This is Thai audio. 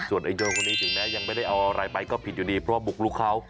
ส่วนไอ้โจรคนนี้ถึงแม้ยังไม่ได้เอาอะไรไปก็ผิดอยู่ดีเพราะว่าบุกลุกเขา